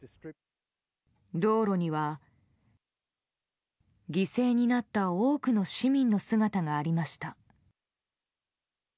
道路には、犠牲になった多くの市民の姿がありました。